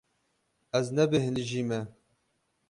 Ez nebêhnijî me.